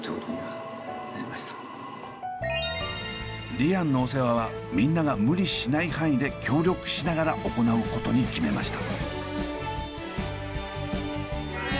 リアンのお世話はみんなが無理しない範囲で協力しながら行うことに決めました。